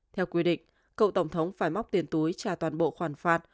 theo quy định cựu tổng thống phải móc tiền túi trả toàn bộ khoản phạt